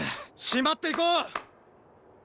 締まっていこう！